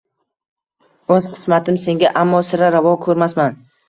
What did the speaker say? O’z qismatim senga ammo, Sira ravo ko’rmasman.